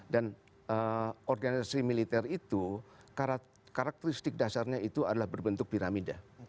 dan organisasi militer itu karakteristik dasarnya itu adalah berbentuk piramida